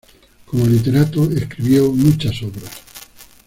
Como literato, escribió muchas obras.